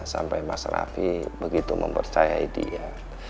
sampai mas rafi begitu mempercayai dia